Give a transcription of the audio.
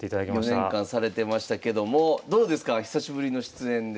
４年間されてましたけどもどうですか久しぶりの出演で。